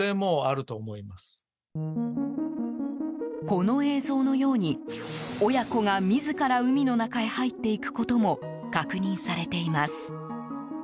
この映像のように、親子が自ら海の中へ入っていくことも確認されています。